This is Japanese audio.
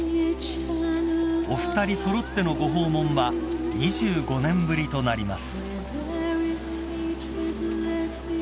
［お二人揃ってのご訪問は２５年ぶりとなります］